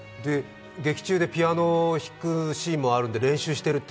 劇中でピアノを弾くシーンがあるので練習してると？